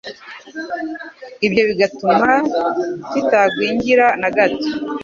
ibyo bigatuma kitagwingira nagato